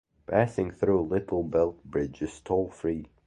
Passing through Little Belt Bridge is toll free.